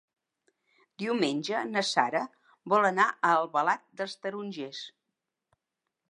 Diumenge na Sara vol anar a Albalat dels Tarongers.